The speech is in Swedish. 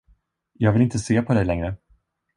Jag vill inte se på dig längre.